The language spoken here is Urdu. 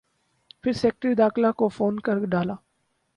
پھر سیکرٹری داخلہ کو فون کر ڈالا۔